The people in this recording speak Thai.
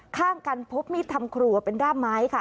ข้างกันพบมิทัมขลัวเป็นด้าไม้ค่ะ